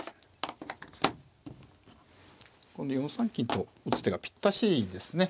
今度４三金と打つ手がぴったしですね。